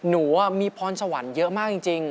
หนูมีพรสวรรค์เยอะมากจริง